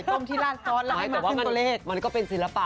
จริงแต่มันก็เป็นศิลปะ